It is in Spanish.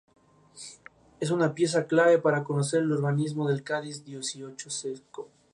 Sin embargo, su padre le ordenó ir a Zaragoza a estudiar.